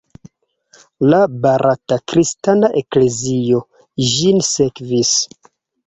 La barata kristana eklezio ĝin sekvis.